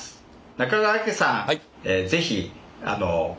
中川家さん